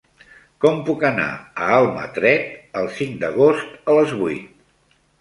Com puc anar a Almatret el cinc d'agost a les vuit?